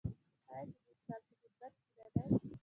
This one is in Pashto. آیا چې د انسان په خدمت کې نه دی؟